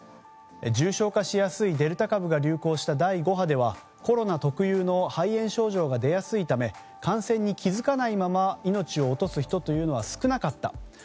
重症化しやすいデルタ株が流行した第５波ではコロナ特有の肺炎症状が出やすいため感染に気付かないまま命を落とす人は少なかった。